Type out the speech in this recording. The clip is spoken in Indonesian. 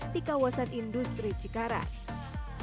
di kawasan industri cikarang